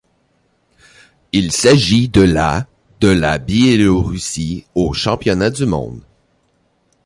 Il s'agit de la de la Biélorussie aux Championnats du monde.